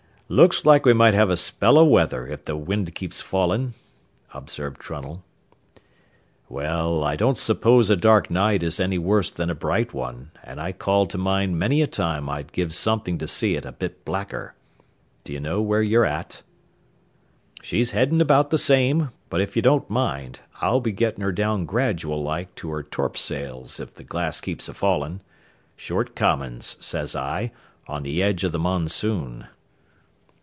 "Looks like we might have a spell o' weather if the wind keeps fallin'," observed Trunnell. "Well, I don't suppose a dark night is any worse than a bright one, and I call to mind many a time I'd give something to see it a bit blacker. Do you know where you're at?" "She's headin' about the same, but if ye don't mind, I'll be gettin' her down gradual like to her torps'ls if the glass keeps a fallin'. Short commons, says I, on the edge o' the monsoon."